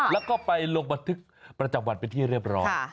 แล้วก็ไปลงบันทึกประจำวันเป็นที่เรียบร้อย